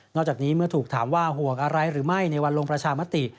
จากนี้เมื่อถูกถามว่าห่วงอะไรหรือไม่ในวันลงประชามติ